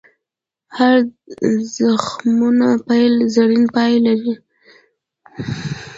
هر د زخمتونو پیل، زرین پای لري.